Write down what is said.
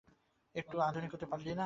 একটুও আধুনিক হতে পারলি না।